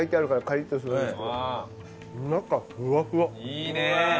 いいね！